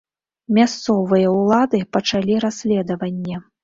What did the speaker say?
Мясцовыя ўлады пачалі расследаванне.